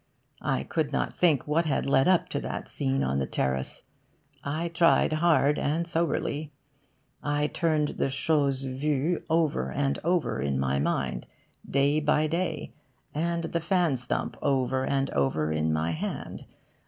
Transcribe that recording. I could not think what had led up to that scene on the terrace. I tried hard and soberly. I turned the 'chose vue' over and over in my mind, day by day, and the fan stump over and over in my hand.